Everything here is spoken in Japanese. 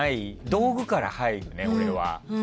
道具から入るね、俺は。